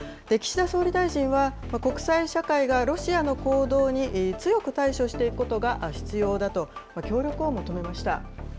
岸田総理大臣は、国際社会がロシアの行動に強く対処していくことが必要だと、協力を求めました。